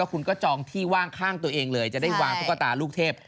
คุณก็จองที่ว่างข้างตัวเองเลยจะได้วางตุ๊กตาลูกเทพ